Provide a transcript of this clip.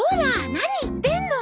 何言ってんの。